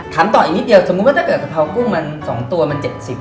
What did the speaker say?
ต่ออีกนิดเดียวสมมุติว่าถ้าเกิดกะเพรากุ้งมัน๒ตัวมัน๗๐บาท